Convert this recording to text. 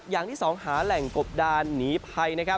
อย่างที่๒หาแหล่งกบดานหนีภัย